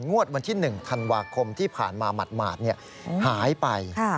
งวดวันที่๑ธันวาคมที่ผ่านมาหมาดหายไป